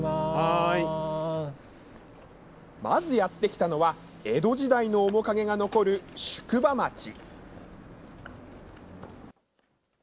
まずやって来たのは、江戸時代の面影が残る宿場町。